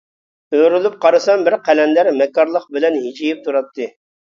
ئۆرۈلۈپ قارىسام بىر قەلەندەر مەككارلىق بىلەن ھىجىيىپ تۇراتتى.